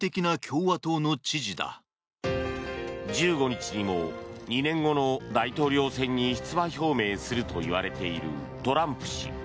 １５日にも２年後の大統領選に出馬表明するといわれているトランプ氏。